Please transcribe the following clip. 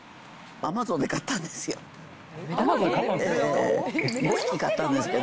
アマゾンで買ったんですか？